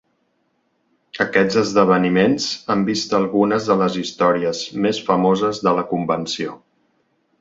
Aquests esdeveniments han vist algunes de les històries més famoses de la Convenció.